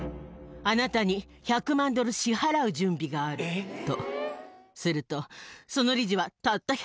あなたに１００万ドル支払う準備があると。